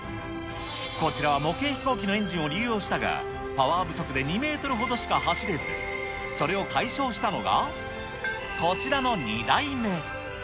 こちらは模型飛行機のエンジンを流用したが、パワー不足で２メートルほどしか走れず、それを解消したのが、こちらの２代目。